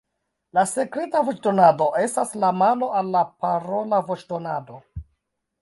La sekreta voĉdonado estas la malo al la parola voĉdonado.